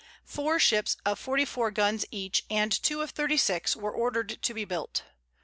Four ships of forty four guns each and two of thirty six were ordered to be built.